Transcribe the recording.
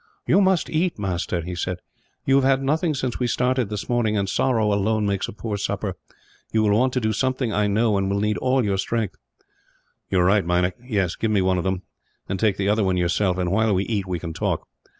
"You must eat, master," he said. "You have had nothing since we started, this morning; and sorrow, alone, makes a poor supper. You will want to do something, I know; and will need all your strength." "You are right, Meinik. Yes, give me one of them, and take the other one yourself and, while we eat, we can talk.